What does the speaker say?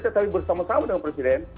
tetapi bersama sama dengan presiden